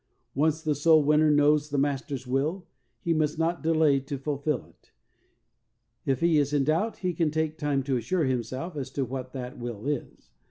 Once the soul winner knows the Master's will, he must not delay to fulfill it. If he is in doubt he can take time to assure himself as to what that will is.